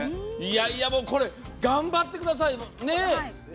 頑張ってください。